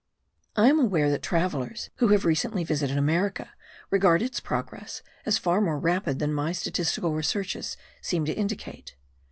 I am aware that travellers, who have recently visited America, regard its progress as far more rapid than my statistical researches seem to indicate.